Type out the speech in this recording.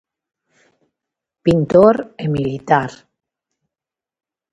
Pintor e militar.